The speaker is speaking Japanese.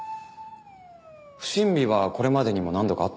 不審火はこれまでにも何度かあったんですか？